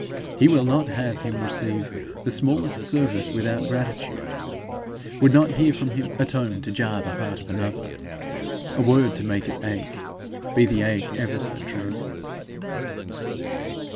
He will not have him receive the smallest service without gratitude; would not hear from him a tone to jar the heart of another, a word to make it ache, be the ache ever so transient.